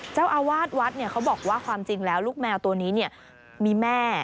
เจ้าอาวาสวัดเขาบอกว่าความจริงแล้วลูกแมวตัวนี้มีแม่